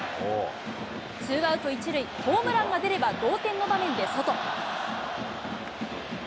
ツーアウト１塁、ホームランが出れば同点の場面でソト。